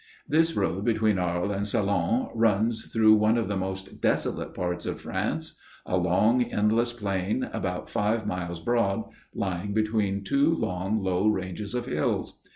This road between Arles and Salon runs through one of the most desolate parts of France: a long, endless plain, about five miles broad, lying between two long low ranges of hills.